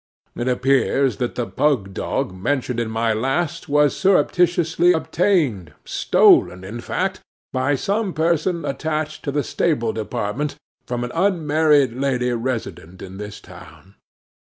It appears that the pug dog mentioned in my last was surreptitiously obtained,—stolen, in fact,—by some person attached to the stable department, from an unmarried lady resident in this town.